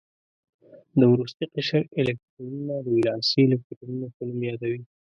د وروستي قشر الکترونونه د ولانسي الکترونونو په نوم یادوي.